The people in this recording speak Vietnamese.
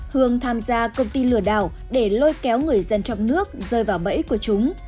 hương tham gia công ty lừa đảo để lôi kéo người dân trong nước rơi vào bẫy của chúng